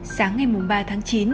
sáng ngày ba tháng chín